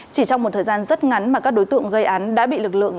chỉ trong một thời gian rất ngắn mà các đối tượng gây án đã bị lực lượng